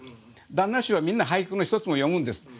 旦那衆はみんな俳句の一つも詠むんです。